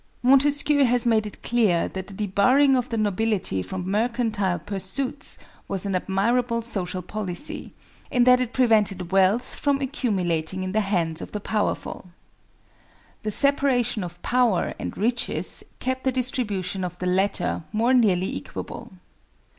Montesquieu has made it clear that the debarring of the nobility from mercantile pursuits was an admirable social policy, in that it prevented wealth from accumulating in the hands of the powerful. The separation of power and riches kept the distribution of the latter more nearly equable.